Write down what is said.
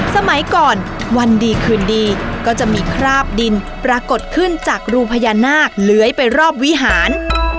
สมัยก่อนวันดีคืนดีก็จะมีคราบดินปรากฏขึ้นจากรูพญานาคเลื้อยไปรอบวิหาร